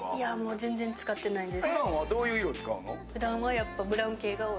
全然使ってないです。